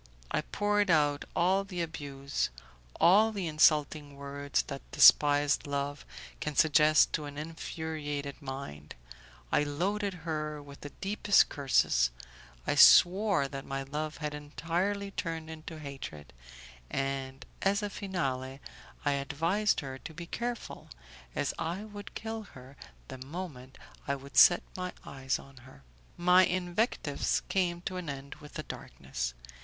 I poured out all the abuse, all the insulting words that despised love can suggest to an infuriated mind; I loaded her with the deepest curses; I swore that my love had entirely turned into hatred, and, as a finale, I advised her to be careful, as I would kill her the moment I would set my eyes on her. My invectives came to an end with the darkness.